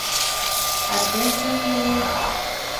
Attention Please!